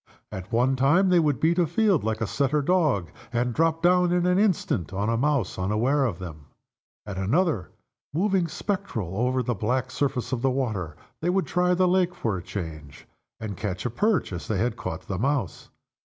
At one time they would beat a field like a setter dog, and drop down in an instant on a mouse unaware of them. At another time moving spectral over the black surface of the water they would try the lake for a change, and catch a perch as they had caught the mouse.